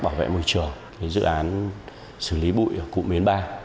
bảo vệ môi trường dự án xử lý bụi ở cụm bến ba